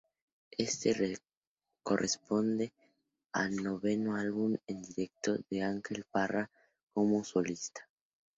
Este corresponde al noveno álbum en directo de Ángel Parra como solista.